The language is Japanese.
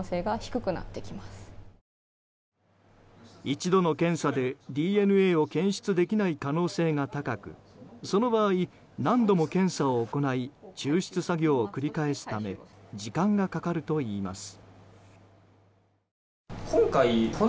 一度の検査で、ＤＮＡを検出できない可能性が高くその場合、何度も検査を行い抽出作業を繰り返すため時間がかかるといいます。